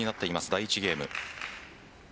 第１ゲーム。